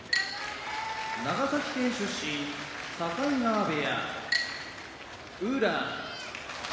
長崎県出身境川部屋宇良